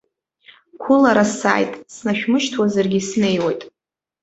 Қәылара сааит, снашәмышьҭуазаргьы снеиуеит.